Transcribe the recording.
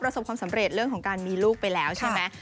ประสบความสำเร็จเรื่องของการมีลูกไปแล้วใช่ไหม